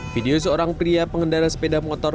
video seorang pria pengendara sepeda motor